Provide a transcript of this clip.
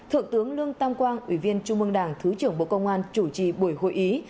hướng lương tam quang ủy viên trung mương đảng thứ trưởng bộ công an chủ trì buổi hội ý